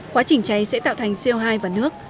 quá trình cháy sẽ tạo thành co hai và nước